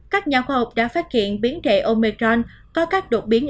các nhà khoa học đã phát hiện biến thể omecran có các đột biến